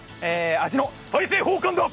味の大政奉還だ！